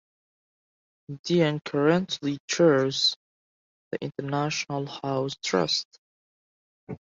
Dean currently Chairs the International House Trust.